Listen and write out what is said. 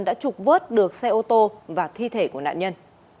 đã trục vớt được xe ô tô và thi thể của nạn nhân